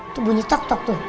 itu bunyi tok tok tuh